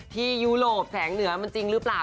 ยุโรปแสงเหนือมันจริงหรือเปล่า